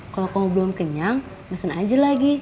kalau kamu belum kenyang mesen aja lagi